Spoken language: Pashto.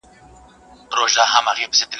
تفریحي پروګرامونه خلک مصروف ساتي